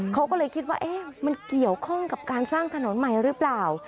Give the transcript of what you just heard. เขาก็เลยคิดว่ามันเกี่ยวข้องกับการสร้างถนนใหม่หรือเปล่า